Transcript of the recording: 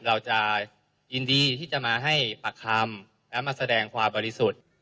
เราจะยินดีที่จะมาให้ปากคำและมาแสดงความบริสุทธิ์